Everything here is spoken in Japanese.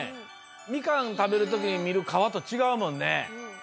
ミカンたべるときに見る皮とちがうもんね。